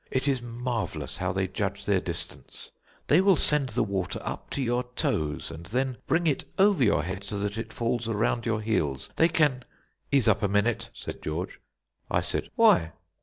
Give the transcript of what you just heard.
It is marvellous how they judge their distance. They will send the water up to your toes, and then bring it over your head so that it falls around your heels. They can " "Ease up a minute," said George. I said: "Why?"